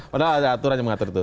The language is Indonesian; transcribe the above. padahal ada aturan yang mengatur itu